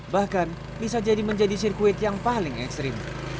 bahkan bisa jadi menjadi sirkuit yang paling ekstrim